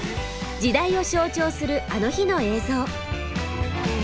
時代を象徴する「あの日」の映像。